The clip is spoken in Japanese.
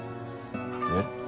えっ？